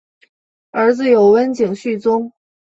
儿子有温井续宗。